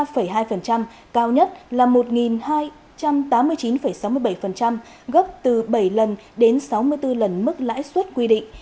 tổng cộng một trăm năm mươi ba hai cao nhất là một hai trăm tám mươi chín sáu mươi bảy gấp từ bảy lần đến sáu mươi bốn lần mức lãi suất quy định